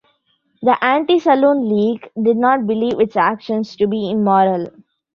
The Anti-Saloon League did not believe its actions to be immoral.